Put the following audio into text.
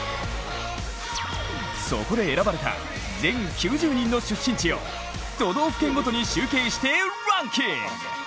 そこで選ばれた全９０人の出身地を都道府県ごとに集計してランキング！